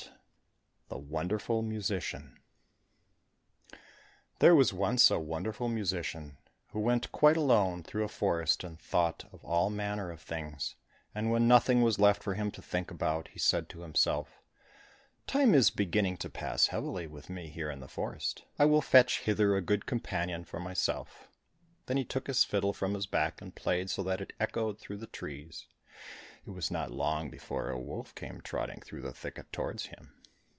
8 The Wonderful Musician There was once a wonderful musician, who went quite alone through a forest and thought of all manner of things, and when nothing was left for him to think about, he said to himself, "Time is beginning to pass heavily with me here in the forest, I will fetch hither a good companion for myself." Then he took his fiddle from his back, and played so that it echoed through the trees. It was not long before a wolf came trotting through the thicket towards him.